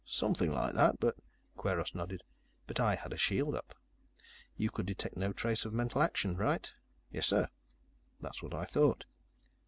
"Something like that. But " Kweiros nodded. "But I had a shield up. You could detect no trace of mental action. Right?" "Yes, sir." "That's what I thought."